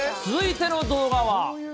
続いての動画は。